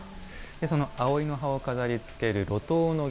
その葵の葉を飾りつける路頭の儀。